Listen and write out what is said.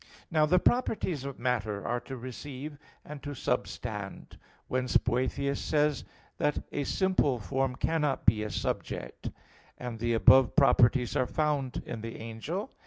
Now the properties of matter are to receive and to substand; whence Boethius says (De Trin.) that "a simple form cannot be a subject": and the above properties are found in the angel.